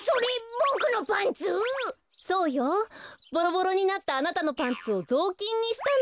ボロボロになったあなたのパンツをぞうきんにしたの。